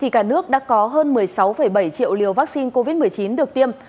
cả nước đã có hơn một mươi sáu bảy triệu liều vaccine covid một mươi chín được tiêm